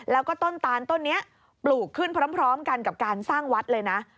แล้วก็ต้นตานต้นนี้ปลูกขึ้นพร้อมกันกับการสร้างวัดเลยนะ